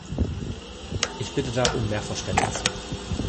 Ich bitte da um mehr Verständnis.